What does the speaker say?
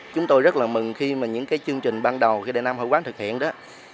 chúng tôi rất mừng khi những chương trình ban đầu của đại nam hội quán thực hiện đó